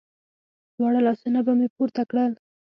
دواړه لاسونه به مې پورته کړل.